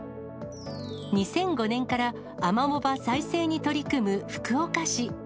２００５年から、アマモ場再生に取り組む福岡市。